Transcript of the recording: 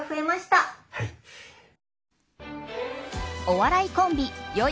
お笑いコンビよ